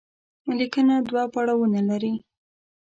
ليکنه دوه پړاوونه لري.